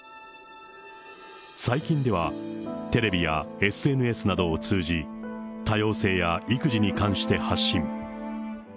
最近では、テレビやＳＮＳなどを通じ、多様性や育児に関して発信。